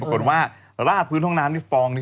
ปรากฏว่าราดพื้นห้องน้ำที่ฟองนี้